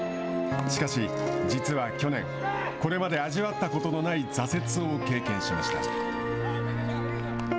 しかし実は去年、これまで味わったことのない挫折を経験しました。